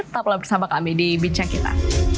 tetaplah bersama kami di bincang kita